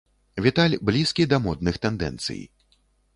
Віталь блізкі да модных тэндэнцый.